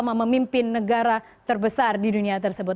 yang memimpin negara terbesar di dunia tersebut